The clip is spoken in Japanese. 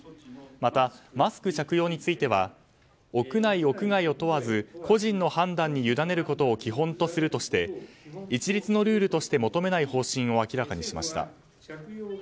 また、マスク着用については屋内・屋外を問わず個人の判断にゆだねることを基本とするとして一律のルールとして求めない方針を明らかにしました。